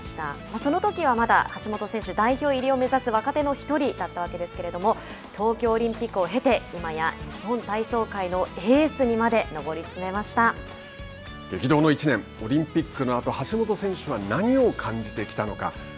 そのときは、まだ橋本選手代表入りを目指す若手の１人でしたが東京オリンピックを経て今や日本体操界のエースにまで激動の１年オリンピックの後橋本選手は何を感じてきたのか。